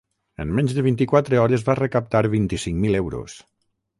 En menys de vint-i-quatre hores va recaptar vint-i-cinc mil euros.